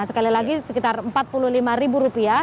sekali lagi sekitar empat puluh lima ribu rupiah